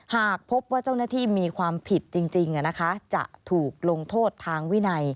หากพบว่าเจ้าหน้าที่มีความผิดจริงจะถูกลงโทษทางวินัย